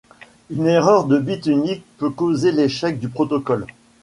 Une erreur de bit unique peut causer l'échec du protocole.